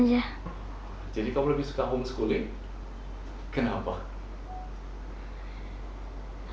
jadi kamu lebih suka homeschooling kenapa